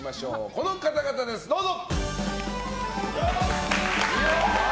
この方々です、どうぞ！